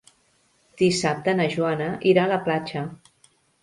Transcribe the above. Dissabte na Joana irà a la platja.